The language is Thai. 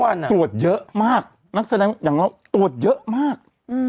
คือนักแสดงทั้งหลายตรวจเล่นเยอะมาก